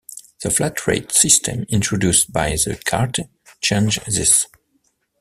The flat-rate system introduced by the Carte changed this.